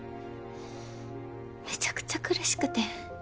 めちゃくちゃ苦しくて。